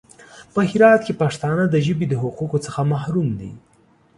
په هرات کې پښتانه د ژبې د حقوقو څخه محروم دي.